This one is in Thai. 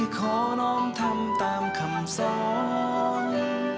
ขอน้องทำตามคำสอน